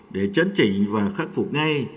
để chấn chỉnh và khắc phục ngay